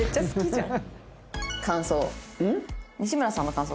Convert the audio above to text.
感想。